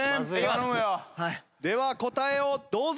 では答えをどうぞ。